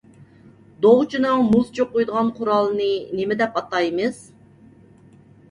دوغچىنىڭ مۇز چوقۇيدىغان قورالىنى نېمە دەپ ئاتايمىز؟